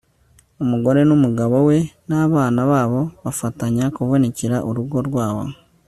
umugore n'umugabo we n'abana babo bafatanya kuvunikira urugo rwabo